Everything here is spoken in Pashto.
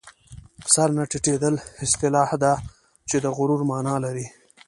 سر نه ټیټېدل اصطلاح ده چې د غرور مانا لري